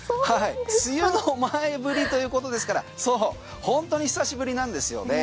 梅雨の前ぶりということですから本当に久しぶりなんですよね。